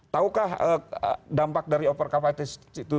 tahukah dampak dari overcapacities